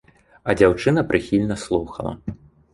А дзяўчына прыхільна слухала.